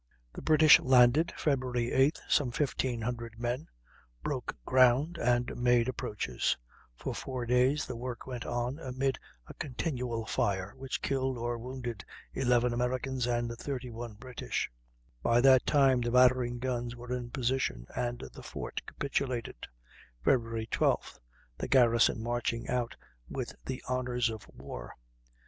The British landed, February 8th, some 1,500 men, broke ground, and made approaches; for four days the work went on amid a continual fire, which killed or wounded 11 Americans and 31 British; by that time the battering guns were in position and the fort capitulated, February 12th, the garrison marching out with the honors of war.